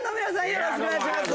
よろしくお願いします